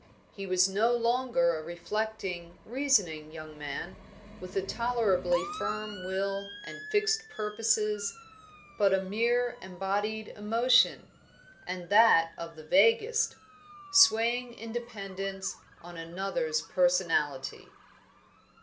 He was no longer a reflecting, reasoning young man, with a tolerably firm will and fixed purposes, but a mere embodied emotion, and that of the vaguest, swaying in dependence on another's personality.